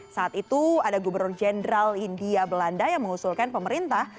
saat itu ada gubernur jenderal india belanda yang mengusulkan pemerintah